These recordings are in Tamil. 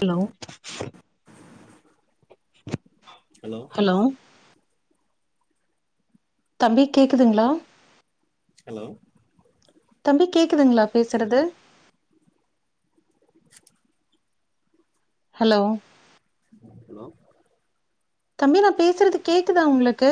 ஹலோ ஹலோ தம்பி கேக்குதுங்களா ஹலோ தம்பி கேக்குதுங்களா பேசுறது ஹலோ கலோ தம்பி நா பேசுறது கேக்குதா உங்களுக்கு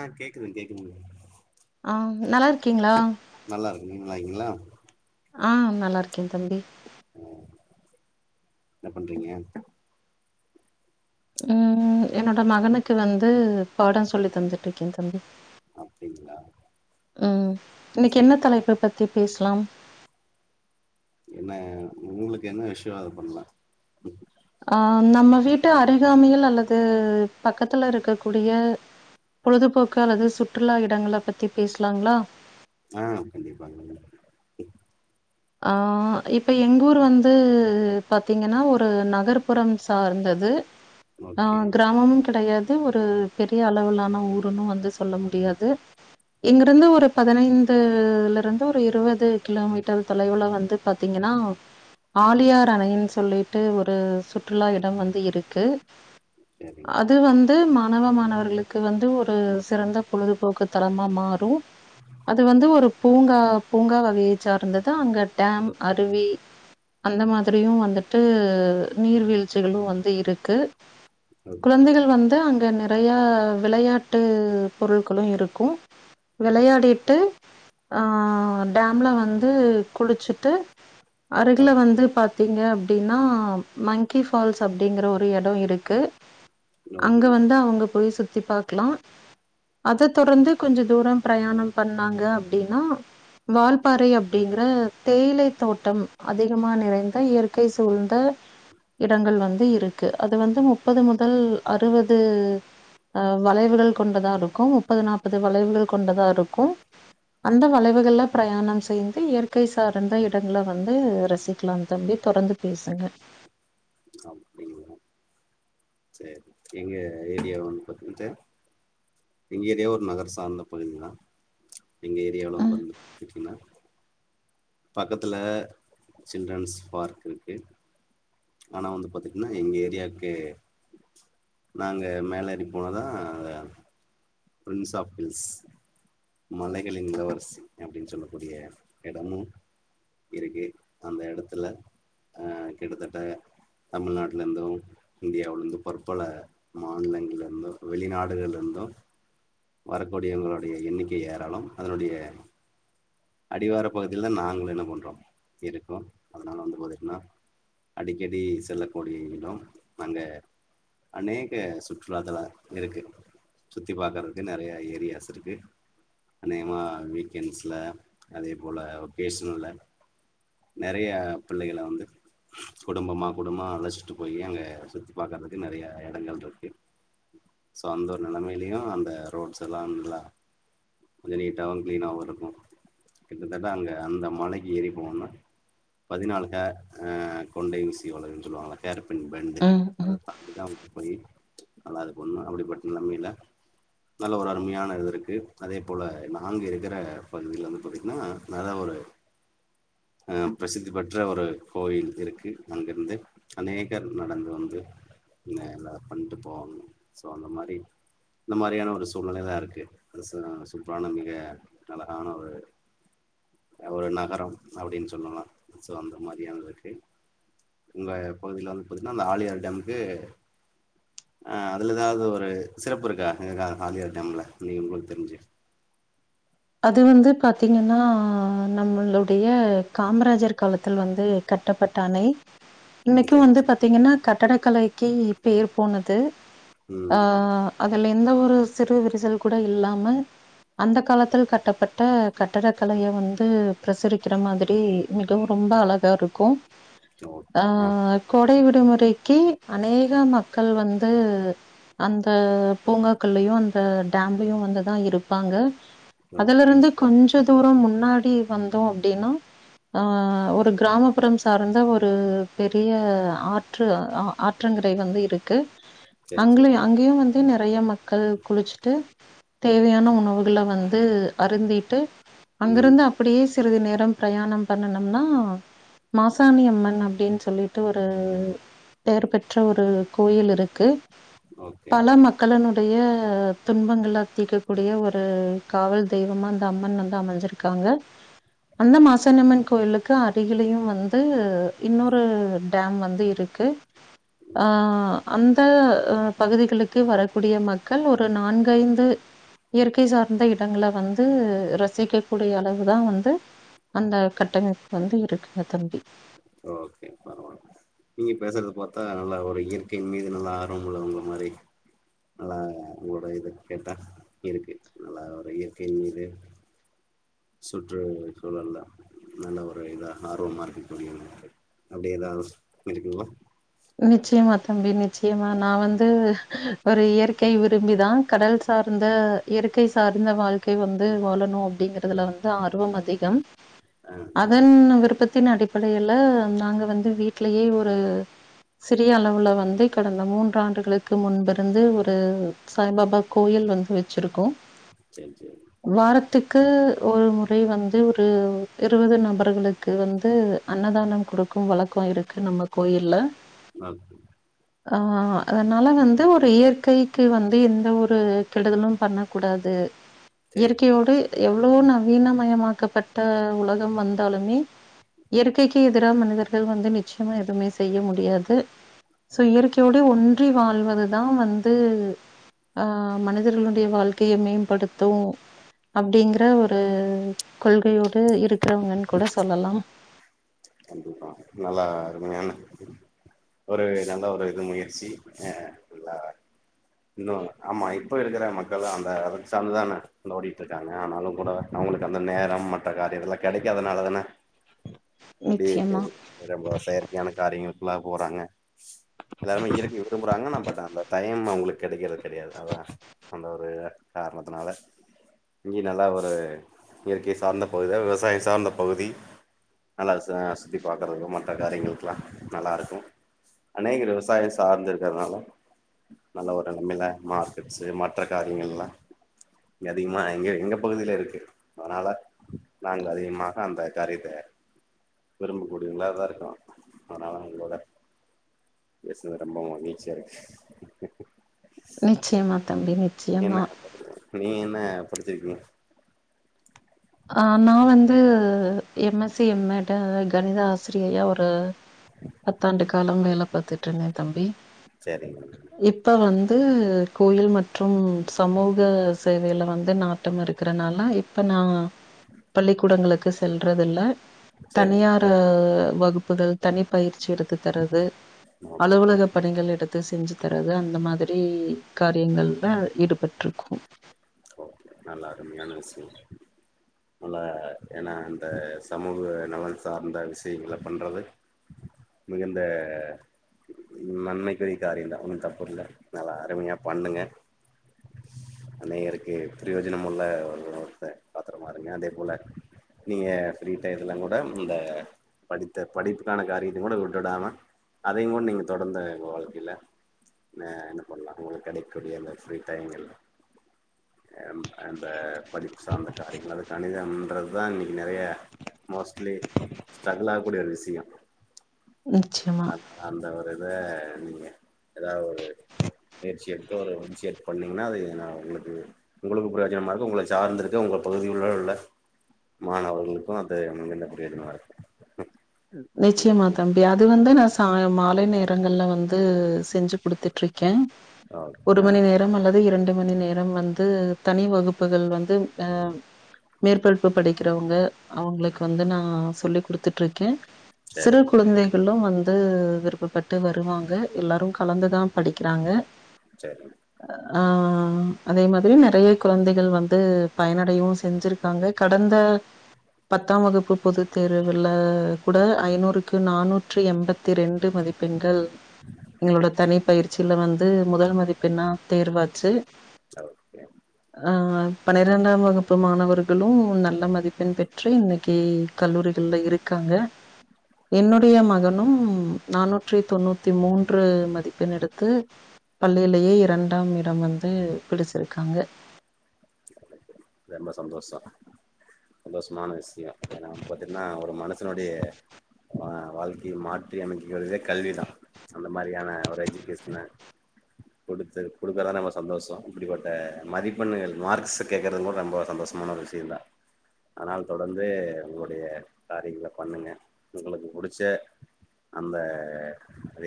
ஆ கேக்குது கேட்க்குதுங் ஆ நல்லா இருக்கீங்களா? நல்லா இருக்கே நீங்க நல்லாக்கீங்களா? ஆ நல்லா இருக்கே தம்பி. உம் என்ன பண்றீங்க? ம் என்னோட மகனுக்கு வந்து பாடோ சொல்லி தந்துட்ருக்கே தம்பி. அப்டிங்ளா ம் இன்னைக்கி என்ன தலைப்ப பத்தி பேஸ்லாம் என்ன உங்களுக்கு என்ன விஷ்யோ அத பண்லா அ நம்ம வீட்டு அருகாமையில் அல்லது பக்கத்துல இருக்கக்கூடிய பொழுதுபோக்கு அல்லது சுற்றுலா இடங்கள பத்தி பேசலாங்களா ஆ கண்டிப்பாங்க ஆ இப்ப எங் ஊர் வந்து பாத்தீங்கனா ஒரு நகர்ப்புறம் சார்ந்தது அ ஓகே கிராமம் கெடயாது ஒரு பெரிய அளவிலான ஊருன்னு வந்து சொல்ல முடியாது இங்கிருந்து ஒரு பதினைந்துல இருந்து ஒரு இருவது கிலோமீட்டர் தொலைவுல வந்து பாத்தீங்கன்னா ஆழியார் அணைன்னு சொல்லிட்டு ஒரு சுற்றுலா இடம் வந்து இருக்கு சேரி அது வந்து மாணவ மாணவர்களுக்கு வந்து ஒரு சிறந்த பொழுதுபோக்கு தளமா மாறு அது வந்து ஒரு பூங்கா பூங்கா வகையை சார்ந்தது அங்க டேம் அருவி அந்த மாதிரியு வந்துட்டு நீர்வீழ்ச்சிகளு வந்து இருக்கு ஓகே குழந்தைகள் வந்து அங்க நெறையா விளையாட்டு பொருட்களு இருக்கு வெளையாடிட்டு ஆ டேம்ல வந்து குளிச்சுட்டு அருகுல அப் வந்து பாத்தீங்க அப்டின்னா மங்கி ஃபால்ஸ் அப்டிங்கற ஒரு எடோ இருக்கு அங்க ஓகே வந்து அவுங்க போய் சுத்தி பாக்கலா அத தொடர்ந்து கொஞ்ச தூரோ பிரயாணம் பண்ணாங்க அப்டின்னா வால்பாறை அப்டிங்க தேயிலை தோட்டம் அதிகமா நிறைந்த இயற்கை சூழ்ந்த இடங்கள் வந்து இருக்கு அது வந்து முப்பது முதல் அறுவது ஆ வளைவுகள் கொண்டதா இருக்கு முப்பது நாப்பது வளைவுகள் கொண்டதா இருக்கு அந்த வளைவுகள்ல பிரயாணம் செய்ந்து இயற் க்கை சார்ந்த இடங்கல வந்து ரசிகலா தம்பி தொடர்ந்து பேசுங்க அப்டிங்களா சேரி எங்க ஏரியா வந்து பாத்துக்கிட்டா எங்க ஏரியாவு ஒரு நகர் சார்ந்த பகுதிதா எங்க ஏரியாவுல வந்து ம் பாத்துக்கிட்டிங்கன்னா பக்கத்துல சில்ட்ரன்ஸ் பார்க் இருக்கு ஆனா வந்து பாத்தீங்கன்னா எங்க ஏரியாக்கு நாங்க மேலேடி போனாதா அங்க பிரின்ஸ் ஆஃப் ஹில்ஸ் மலைகளின் இளவரசி அப்டின் சொல்லக்கூடிய இடமு இருக்கு அந்த எடத்துல ஆ கிட்டத்தட்ட தமிழ்நாட்டுல இருந்து இந்தியாவில இருந்து பற்பல மாநிலங்கள்ல இருந்து வெளிநாடுகள்ல இருந்து வரக்கூடியவங்களுடைய எண்ணிக்கை ஏராளம் அதனுடைய அடிவார பகுதியிலதா நாங்களு என்ன பண்றோ இருக்கோ அதனால வந்து பாத்தீங்கன்னா அடிக்கடி செல்லக்கூடிய இடோ அங்க அநேக சுற்றுலாத் தள இருக்கு சுத்தி பாக்கறதுக்கு நெறையா ஏரியாஸ் இருக்கு அநேகமா வீக்கெண்ட்ஸ்ல அதே போல வோகேஷன்ல நெறைய பிள்ளைகள வந்து குடும்பமா குடும்பமா அழச்சிட்டு போய் அங்க சுத்தி பாக்கறதுக்கு நெறைய எடங்கள் இருக்கு சோ அந்த ஒரு நெலமையிலயு அந்த ரோட்ஸ் எல்லா நல்லா கொஞ்சோ நீட்டாவு க்ளீனாவு இருக்கு கிட்டத்தட்ட அங்க அந்த மலைக்கி ஏறி போனுன்னா பதினால்க ஆ கொண்டை ஊசி வளைவுன்னு சொல்லுவாங்கள ஹேப்பின் பெண்டு ம் ம் அத தாண்டிதா போய் நல்லா ஆனா அது ஒண்ணு அப்டிப்பட்ட நெலைமேல நல்ல ஒரு அருமையான இது இருக்கு அதே போல நாங்க இருக்குற பகுதியில வந்து பாத்தீங்கன்னா நெற ஒரு ஆ பிரசித்தி பெற்ற ஒரு கோயில் இருக்கு அங்கருந்து அநேகர் நடந்து வந்து இந்ந இதுலா பண்ட்டு போவாங்க சோ அந்த மாரி இந்த மாரியான ஒரு சூழ்நிலைதா இருக்கு அது சொ சூப்பரான மிக அழகான ஒரு ஒரு நகரம் அப்டின்னு சொல்லலா சோ அந்த மாரியானதுக்கு உங்க பகுதியில வந்து பாத்தீங்கன்னா அந்த ஆழியார் டேமுக்கு ஆ அதுல எதாவ்து ஒரு சிறப்பு இருக்கா எதுக்கா ஆழியார் டேம்ல இல்லிங் உங்களுக்கு தெரிஞ்சு அது வந்து பாத்தீங்கன்னா நம்மளுடைய காமராஜர் காலத்தில் வந்து கட் டப்பட்ட அணை இன்னைக்கு சரி வந்து சரி பாத்தீங்கன்னா கட்டடக்கலைக்கு பேர் போனது ஆ ம் அதுல எந்த ஒரு சிறு விரிசல் கூட இல்லாம அந்த காலத் த்தில் கட்டப்பட்ட கட்டட கலைய வந்து பிரசுரிக்கிற மாதிரி மிகவு ரொம்ப அழகாருக்கு ஆ ஓகே கோடை விடுமுறைக்கு அநேக மக்கள் வந்து அந்த பூங்காக்கல்லையு அந்த டேம்லயு வந்துதா இருப்பாங்க ஓகே அதுலருந்து கொஞ்ச தூரோ முன்னாடி வந்தோ அப்டின்னா ஆ ஒரு கிராமப்புறம் சார்ந்த ஒரு பெரிய ஆற் று ஆ ஆற்றங்கரை வந்து இருக்கு. சரி சரி அங்களையு அங்கேயு வந்து நெறைய மக்கள் குளிச்சுட்டு தேவையான உணவுகள வந் து அருந்திட்டு ம் அங்கிருந்து அப்டியே சிறிது நேரம் பிரயாணம் பண்ணுனம்னா மாசாணியம்மன் அப்டின்னு சொல்லிட்டு ஒரு பேர் பெற்ற ஒரு கோயில் இருக்கு. ஓகே பல ஓகே மக்களனுடைய துன்பங்கள தீக்கக்கூடிய ஒரு காவல் தெய்வமா இந்த அம்மன் வந்து அமஞ்சிருக்காங்க. அந்த மாசணியம்மன் கோயிலுக்கு அருகிலயு வந்து இன்னொரு டேம் வந்து இருக் கு ஆ அந்த அ பகுதிகளுக்கு வரக்கூடிய மக்கள் ஒரு நான்கைந்து இயற்கை சார்ந்த இடங்கள வந்து ரசிக்கக் கூடிய அளவுதா வந்து அந்த கட்டமைப்பு வந்து இருக்குங்க தம்பி. ஓகே பரவால்ல நீங்க பேசுறத பாத்தா நல்லா ஒரு இயற்கையின் மீது நல்லா ஆர்வம் உள்ளவங்கமாரி நல்லா உங்களோட இது கேட்டா இருக்கு நல்லா ஒரு இயற்கை மீது சுற்று சூழல்ல நல்ல ஒரு இதா ஆர்வமா இருக்கு தோழி உங்ளுக்கு அப்டி எதாவ்து போய்ருக்கிங்ளா நிச்சயமா தம்பி நிச்சயமா நா வந் து ஒரு இயற்கை விரும்பிதா கடல் சார்ந்த இயற்கை சார்ந்த வாழ் க்கை வந்து வாழணு அப்டிங்கறதுல வந்து ஆர்வம் அதிகம். ஆ அதன் விருப்பத்தின் அடிப்படையில நாங்க வந்து வீட்லேயே ஒரு சிறிய அளவுல வந்து கடந்த மூன்று ஆண்டுகளுக்கு முன்பிருந்து ஒரு சாய்பாபா கோயில் வந்து வச்சிருக்கோ சரி சரி வாரத்துக்கு ஒரு முறை வந்து ஒரு இருவது நபர்களுக் கு வந்து அன்னதானம் குடுக்கும் வழக்கோ இருக்கு நம்ம கோயில்ல. நல்லதுங்க ஆ அதனால வந்து ஒரு இயற்கைக்கு வந்து எந்த ஒரு கெடுதலும் பண்ண கூடாது. சேரி இயற்கையோடு எவ்ளோ நவீனமயமாக்கப்பட்ட உலகம் வந்தாலுமே. இயற்கைக்கு எதிரா மனிதர்கள் வந்து நிச்சயமா எதுவுமே செய்ய முடியாது. து சோ இயற்கையோட ஒன்றி வாழ்வதுதா வந்து ஆ மனிதர்களுடைய வாழ்க்கைய மேம்படுத்து அப்டிங்கிற ஒரு கொள்கையோடு இருக்கிறவங்கன் கூட சொல்லலாம் கண்டிப்பா நல்லா அருமையான ஒரு நல்ல ஒரு இது முயற்சி அ நல்லா இன்னு ஆமா இப்போ இருக்கிற மக்களு அந்த ஒர்க் சார்ந்துதான அந்த ஓடிட்டுரு க்காங்க ஆனாலும் கூட நம்மளுக்கு அந்த நேரம் மத்த காரியத்ல கெடைக்காதனாலதான இப்பிடி நிச்சயமா. ஒரு ரொம்ப செயற்கையான காரியங்களுக்லா போறாங்க எல்லாருமே இயக்கிய விரும்புறாங்க ஆனா பட் அந்த டைம் அவுங்களுக்கு கெடைக்கிற கெடையாது அதா அந்த ஒர்ரே கார்ணத்துனால இங்கே நல்லா ஒரு இயற்கை சார்ந்த பகுதியா விவசாயோ சார்ந்த பகுதி நல்லா ச சுத்தி பாக்கறக்கு மத்த காரியங்ளுக்குலா நல்லாருக்கு அநேகரு விவசாய சார்ந்து இருக்கிறதுனாலு நல்ல ஒரு நன்மைல மார்க்கெட்ஸ்ஸு மற்ற காரியங்கெல்லா இங்க அதிகமா எங்க எங்க பகுதியில இருக்கு அதனால நாங்க அதிகமாக அந்த காரியத்த விரும்பக்கூடியவங்ளாதா இருக்கு அதனால உங்ளோட பேஸ்னது ரொம்போ மகிழ்ச்சியா இருக்கு நிச்சயமா தம்பி, நிச்சயமா. என்ன நீங்க என்ன படிச்சிருக்கீங்க ஆ நா வந்து M S C M Ed கணித ஆசிரியையா ஒரு பத்தாண்டு காலோ வேல பாத்துட்டுருந்தே தம்பி செரிங்க இப்ப வந்து கோயில் மற்றும் சமூக சேவையில வந்து நாட்டம் இருக்குறனால இ ப்ப நா பள்ளிக்கூடங்களுக்கு செல்றதில்ல சரிங்க தனியாரு வகுப்புகள் தனி பயிற்சி எடுத்து தரது ஓகே அலுவலக பணிகள் எடுத் து செஞ்சு தரது அந்த மாதிரி காரியங்கள்ல ஈடுபட்ருக்கும் ஓகே நல்லா அருமையான விஷ்யம் நல்ல ஏனா அந்த சமூக நலன் சார்ந்த விஷியங்கள பண்றது மிகுந்த நன்மைக்குரிய காரியந்தா ஒன்னு தப்பில்ல நல்லா அருமியா பண்ணுங்க அனைவருக்கு பிரயோஜனம் உள்ள ஒரு பாத்திரமா இருங்க அதே போல நீங்க ஃப்ரீ டறத்துலங்கூட இந்த படித்த படிப்புக்கான காரியத்தையு கூட விட்டுடாம அதையுங்கூட நீங்க தொடர்ந்து உங் வாழ்க்கையில அ என்ன பண்லா உங்களுக்கு கெடைக்கூடிய இந்த ஃப்ரீ டைம்கல்ல அந் அந்த படிப்பு சார்ந்த காரியங்கள் அது கணிதம்ன்றத்தா இன்னிக்கு நெறைய மோஸ்ட்லி ஸ்ட்ரகுள் ஆகக்கூடிய ஒரு விஸியோ நிச்சியமா அந்த ஒரு இத நீங்க எதாவ் ஒரு முயற்சி எடுத்து ஒரு இன்ஷியேட் பண்ணீங்ன்னா அது நா உங்ளுக்கு உங்களுக்கு பிரயோஜனமா இருக்கு உங்கள சார்ந்த இருக்கு உங்க பகுதிகுள்ள உள்ள மாணவர்களுக்கு அந்த [unintelligible] ப்ரோஜனம இருக்கு ம்‌ நிச்சயமா தம்பி அது வந்து நா தா மாலை நேரங்கள்ல வந்து செஞ்சு குடுத்துட்ருக்கே ஓகே ஒரு ஆ மணி நேரம் அல்லது இரண் டு மணி நேரம் வந்து தனி வகுப்புகள் வந்து ஆ மேற்படிப்பு படிக்கிறவங்க அவுங்களுக்கு வந்து நா சொல்லிக் கொடுத்துட்டு இருக்கேன் சிறு சரிங்க குழந்தை எல்லாம் வந்து விருப்பப்பட்டு வருவாங்க எல்லாரு கலந்துதா படிக்கிறாங்க சரி ஆ அதே மாதிரி நறையா குழந்தைகள் வந்து பயனடையவு செஞ்சிருக் நாங்க கடந்த பத்தாம் வகுப்பு பொதுத் தேர்வுல கூட ஐநூறுக்கு நானூற்றி எண்பத்தி ரெண்டு மதிப்பெண்கள் எங்களோட தனி பயிற்சியில வந்து முதல் மதிப்பெண்னா தேர்வாச்சு ஓகே [inaudible] ஆ பன்னிரெண்டாம் வகுப்பு மாணவர்களு நல்ல மதிப்பெண் பெற்று இன்னக்கி கல்லூரிகள்ல இருக்காங்க என்னுடைய மகனும் நானூற்றி தொண்ணூத்தி மூன்று மதிப்பெண் எடுத்து பள்ளியிலயே இரண்டாம் இடம் வந்து பிடிச்சிருக்காங்க ரொம்ப சந்தோஷோ சந்தோசமான விஷ்யம் ஏனா வந்து பாத்தீங்கன்னா ஒரு மனசனுடைய ஆ வாழ்க்கைய மாத்தி அமைக்கிறதே கல்விதா அந்த மாதிரியான ஒரு எஜுகேஷன கொடுத்து கொடுக்கறதா ரொம்ப சந்தோசோ இப்டிப்பட்ட மதிப்பெண்ணுகள் மார்க்ஸ கேக்றது கூட ரொம்ப சந்தோசமான ஒரு இருந்தா ஆனால் தொடர்ந்து உங்களுடைய காரியங்கள பண்ணுங்க உங்களுக்கு புடிச்ச அந்த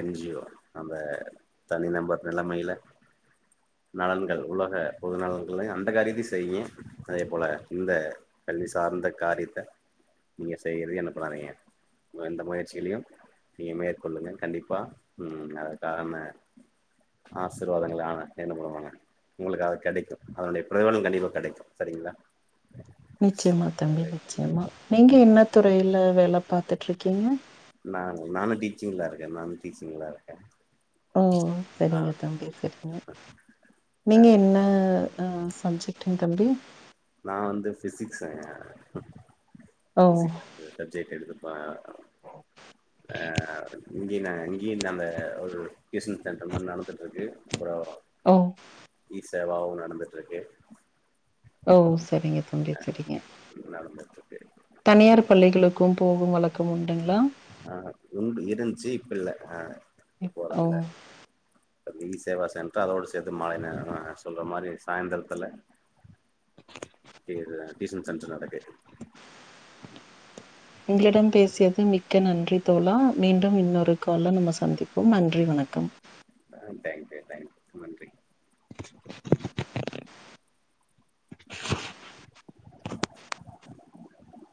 என் ஜி யோ அந்த தனி நம்பர் நிலமையில நலன்கள் உலக பொது நலன்களயு அந்த காரியத்தயு செய்ங்க அதே போல இந்த கல்வி சார்ந்த காரியத்த நீங்க செய்றது என்னப்படாதீங்க எந்த முயற்சிலயு நீங்க மேற்கொள்ளுங்க கண்டிப்பா ம் ம் அதக்கா நம்ம ஆசிர்வாதங்கள் ஆனா என்ன பண்ணுவாங்க உங்களுக்கு அது கிடைக்கு அதனுடைய பிரதிபலன் கண்டிப்பா கிடைக்கு சரிங்களா நிச்சயமா தம்பி நிச்சயமா கண்டிப்பா நீங்க என்ன துறையில வேலை பாத்துட்டு இருக்கீங்க நான் நானு டீச்சிங்ல இருக்கே நானு டீச்சிங்ல இருக்கே ஓ ஆ செரிங்க தம்பி செரிங்க நீங்க என்ன ஆ சப்ஜெட்டுங் தம்பி நா வந்து ஃபிசிக்ஸ்ங்க ஓ ஃபிசிக்ஸ் சப்ஜெக்ட் எடுத்துப்பா அ இங்கயுதாங்க இங்கியு அந்த ஒரு டியூசன் சென்டர் மாரி நடந்துட்டு இருக்கு அப்புறோ ஓ இ சேவாவு நடந்துட்டு இருக்கு ஓ செரிங்க தம்பி செரிங்க நடந்துட் இருக் [unintelligible] தனியார் பள்ளிகளுக்கு போகும் வழக்கம் உண்டுங்களா ஆ உண்டு இருந்துச்சி இப்ப இல்ல ஆ இப்ப போறது ஓ இல்ல இப்ப இ சேவா சென்டரு அதோடு சேத்து மாலை நேரோ சொல்ற மாதிரி சாய்ந்திரத்தில [inaudible] கீருதா டியூசன் சென்டர் நடக்குது உங்களிடம் பேசியது மிக்க நன்றி தோழா மீண்டும் இன்னொரு கால்ல நம்ம சந்திப்போம் நன்றி வணக்கம் ஆ தேங்க்யூ தேங்க்யூ நன்றி